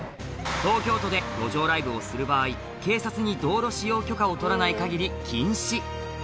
東京都で路上ライブをする場合警察に道路使用許可を取らない限り禁止